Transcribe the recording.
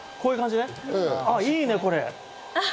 あいいね、これ。